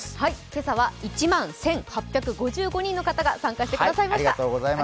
今朝は１万１８５５人の方が参加してくださいました。